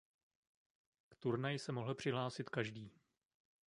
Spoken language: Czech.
K turnaji se mohl přihlásit každý.